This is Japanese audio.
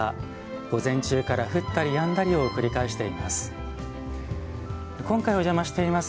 午前中から降ったりやんだりを繰り返しています。